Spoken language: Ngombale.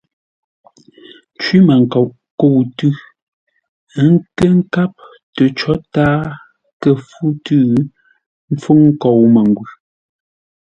Cwímənkoʼ kə̂u tʉ́, ə́ nkə́ nkáp tə có tǎa kə̂ fú tʉ́ ḿpfúŋ nkou məngwʉ̂.